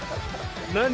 何？